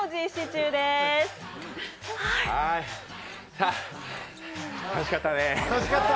さあ楽しかったね。